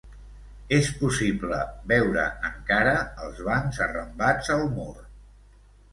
És possible veure encara els bancs arrambats al mur.